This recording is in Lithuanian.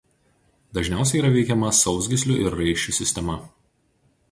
Dažniausiai yra veikiama sausgyslių ir raiščių sistema.